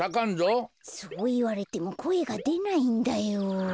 こころのこえそういわれてもこえがでないんだよ。